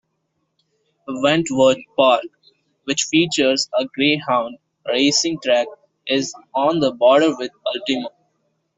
Wentworth Park, which features a greyhound racing track, is on the border with Ultimo.